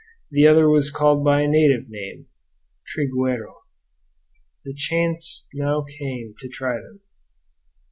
The other was called by a native name, "Trigueiro." The chance now came to try them.